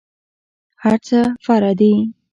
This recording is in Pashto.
هرڅه فرع دي.